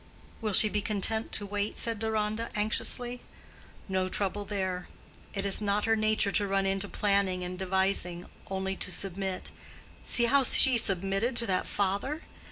"Will she be content to wait?" said Deronda, anxiously. "No trouble there. It is not her nature to run into planning and devising: only to submit. See how she submitted to that father!